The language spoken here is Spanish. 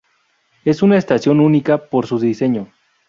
Es una estación única por su diseño.